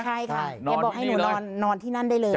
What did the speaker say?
ใช่ค่ะนอนที่นี่เลยให้บอกให้หนูนอนนอนที่นั่นได้เลย